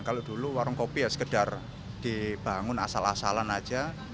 kalau dulu warung kopi ya sekedar dibangun asal asalan aja